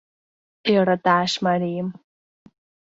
Йӧраташ марийым.